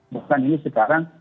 bahkan ini sekarang